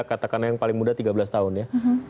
katakanlah yang paling muda tiga belas tahun ya